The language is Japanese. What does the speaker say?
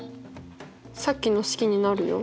さっきの式になるよ。